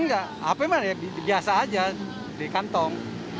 nggak hp mah ya biasa aja di kantong